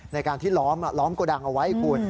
ในการที่ล้อมกระดังเอาไว้